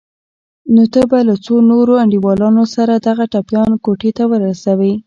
نو ته به له څو نورو انډيوالانو سره دغه ټپيان کوټې ته ورسوې.